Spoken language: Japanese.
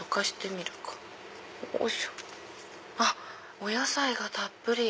お野菜がたっぷり！